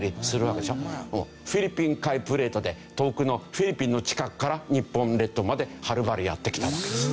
フィリピン海プレートで遠くのフィリピンの近くから日本列島まではるばるやって来たわけですよ。